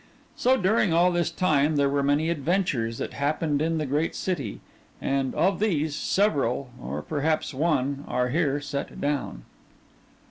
So during all this time there were many adventures that happened in the great city, and, of these, several or perhaps one are here set down.